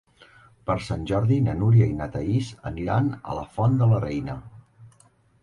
Per Sant Jordi na Núria i na Thaís aniran a la Font de la Reina.